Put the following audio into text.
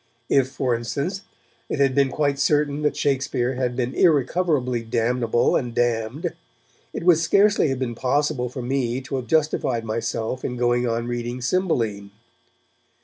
If, for instance, it had been quite certain that Shakespeare had been irrecoverably damnable and damned, it would scarcely have been possible for me to have justified myself in going on reading Cymbeline.